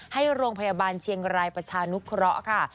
ให้โรงพยาบาลเชียงรายประชานุเคราะห์ค่ะ